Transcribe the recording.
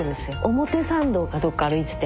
表参道かどっか歩いてて。